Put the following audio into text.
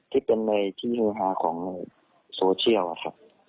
ที่เป็นในที่หาของโซเชียล